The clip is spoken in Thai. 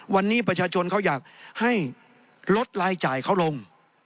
วันนี้ประชาชนเขาอยากให้ลดรายจ่ายเขาลง